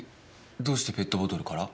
どうしてペットボトルから？